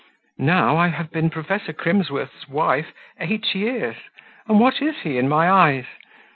Now, I have been Professor Crimsworth's wife eight years, and what is he in my eyes?